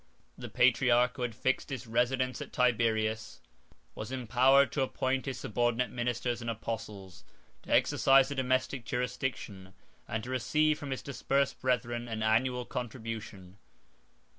The patriarch, who had fixed his residence at Tiberias, was empowered to appoint his subordinate ministers and apostles, to exercise a domestic jurisdiction, and to receive from his dispersed brethren an annual contribution.